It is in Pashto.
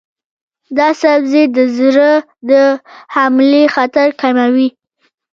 دا سبزی د زړه د حملې خطر کموي.